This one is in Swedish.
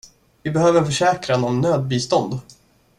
Vi behöver en försäkran om nödbistånd.